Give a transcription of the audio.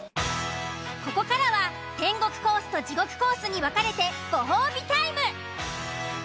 ここからは天国コースと地獄コースに分かれてご褒美タイム。